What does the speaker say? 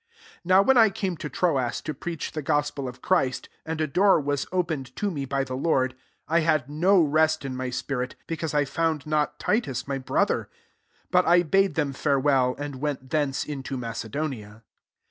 12 NOW when I came to Troas to preach the gospel of Christ, and a door was opened to me by the Lord, 13 I liad no rgst in my spirit, because I found not Titus my brother: but I bade them farewel, and went thence into Macedonia.